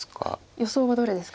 予想はどれですか。